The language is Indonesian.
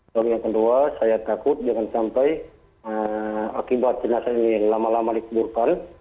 dan yang kedua saya takut jangan sampai akibat jenazah ini lama lama dikeburkan